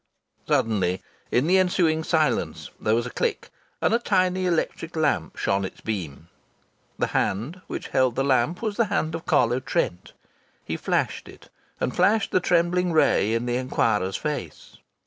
Suddenly, in the ensuing silence, there was a click, and a tiny electric lamp shot its beam. The hand which held the lamp was the hand of Carlo Trent. He flashed it and flashed the trembling ray in the inquirer's face.